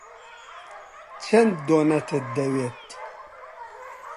چەند دۆنەتت دەوێت؟